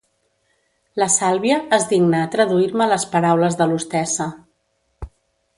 La Sàlvia es digna a traduir-me les paraules de l'hostessa.